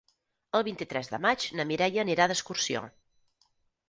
El vint-i-tres de maig na Mireia anirà d'excursió.